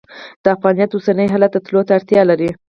د افغانیت اوسني حالت تللو ته اړتیا لري.